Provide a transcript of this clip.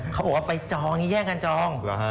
เขาบอกว่าไปจองแยกกันจอง